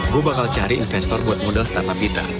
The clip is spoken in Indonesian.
gue bakal cari investor buat modal startup kita